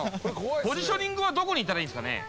ポジショニングはどこにいればいいんですかね？